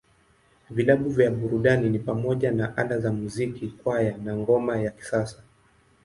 Vilabu vya burudani ni pamoja na Ala za Muziki, Kwaya, na Ngoma ya Kisasa.